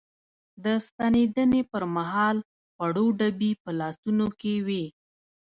د ستنېدنې پر مهال خوړو ډبي په لاسونو کې وې.